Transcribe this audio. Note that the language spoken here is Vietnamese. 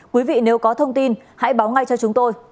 quý vị nếu có thông tin hãy báo ngay cho chúng tôi